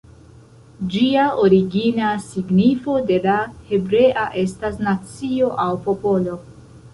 Ĝia origina signifo de la hebrea estas "nacio" aŭ "popolo".